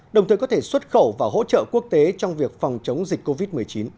đồng thời có thể xuất khẩu và hỗ trợ quốc tế trong việc phòng chống dịch covid một mươi chín